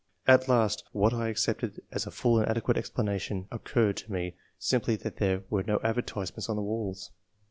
At last, what I accept as a fall and adequate explanation, occurred to me ; simply that there were no advertisements on the walls.